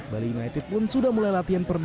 bali united pun sudah mulai latihan perdana